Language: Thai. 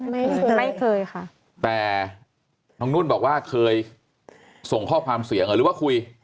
ไม่เคยไม่เคยค่ะแต่น้องนุ่นบอกว่าเคยส่งข้อความเสียงหรือว่าคุย